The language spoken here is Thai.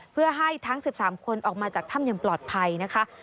เพื่อให้ทั้ง๑๓คนออกมาจากถ้ำอย่างปลอดภัยนะคะ